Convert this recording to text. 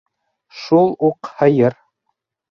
Шул уҡ һыйыр.